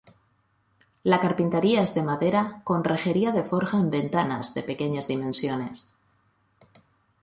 La carpintería es de madera, con rejería de forja en ventanas, de pequeñas dimensiones.